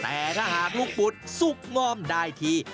แต่ถ้าหากลูกปุดสุกง่อมได้ที